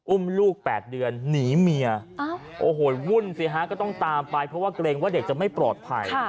อุ้มลูก๘เดือนหนีเมียโอ้โหวุ่นสิฮะก็ต้องตามไปเพราะว่าเกรงว่าเด็กจะไม่ปลอดภัย